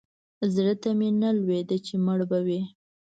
زړه ته مې نه لوېده چې مړ به وي.